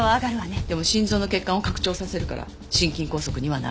でも心臓の血管を拡張させるから心筋梗塞にはならない。